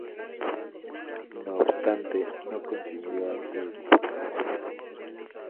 No obstante, no consiguió acta de diputado.